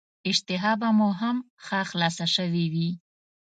اشتها به مو هم ښه خلاصه شوې وي.